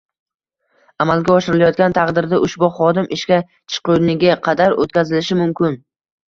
amalga oshirilayotgan taqdirda ushbu xodim ishga chiqquniga qadar o‘tkazilishi mumkin.